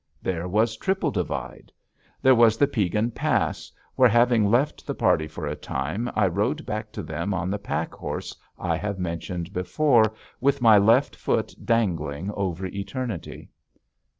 There was Triple Divide. There was the Piegan Pass, where, having left the party for a time, I rode back to them on the pack horse I have mentioned before, with my left foot dangling over eternity.